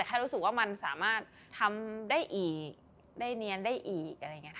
แค่รู้สึกว่ามันสามารถทำได้อีกได้เนียนได้อีกอะไรอย่างนี้ค่ะ